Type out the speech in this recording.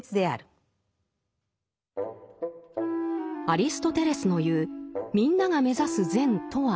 アリストテレスの言う「みんなが目指す善」とは何か？